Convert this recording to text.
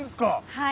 はい。